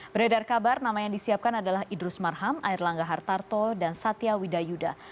beredar kabar nama yang disiapkan adalah idrus marham air langga hartarto dan satya widayuda